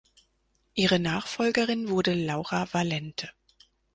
Ihre Nachfolgerin wurde Laura Valente.